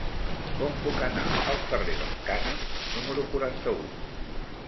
Com puc anar al carrer del Cànem número quaranta-u?